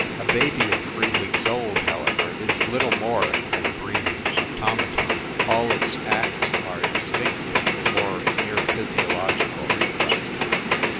A baby of three weeks old, however, is little more than a breathing automaton. All its acts are instinctive, or mere physiological reflexes.